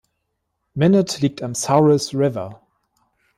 Minot liegt am Souris River.